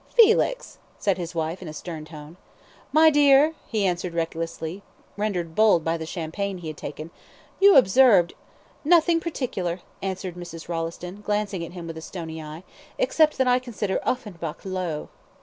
"Felix!" said his wife, in a stern tone. "My dear," he answered recklessly, rendered bold by the champagne he had taken, "you observed " "Nothing particular," answered Mrs. Rolleston, glancing at him with a stony eye, "except that I consider Offenbach low."